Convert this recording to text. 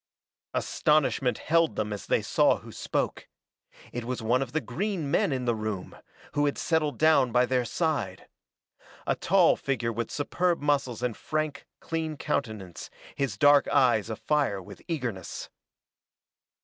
Astonishment held them as they saw who spoke. It was one of the green men in the room, who had settled down by their side. A tall figure with superb muscles and frank, clean countenance, his dark eyes afire with eagerness.